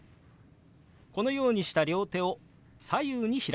このようにした両手を左右に開きます。